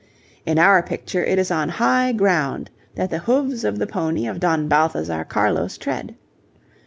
In our picture it is on high ground that the hoofs of the pony of Don Balthazar Carlos tread.